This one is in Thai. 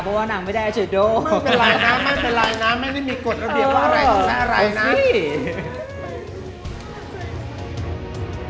เพราะว่านางไม่ได้อาชโด